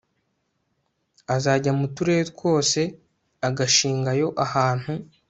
azajya mu turere twose agashingayo ahantu